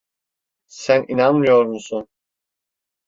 Sen inanmıyor musun?